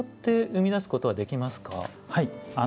はい。